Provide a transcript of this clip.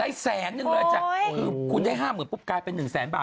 ได้แสนนึงเลยจ้ะคุณได้๕๐๐๐๐บาทปุ๊บกลายเป็น๑๐๐๐๐๐บาท